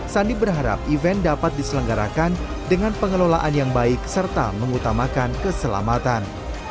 sandi berharap event dapat diselenggarakan dengan pengelolaan yang baik serta mengutamakan keselamatan